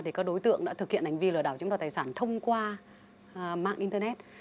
thì các đối tượng đã thực hiện hành vi lừa đảo chúng ta tài sản thông qua mạng internet